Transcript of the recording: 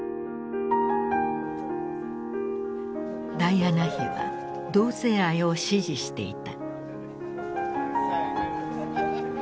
ダイアナ妃は同性愛を支持していた。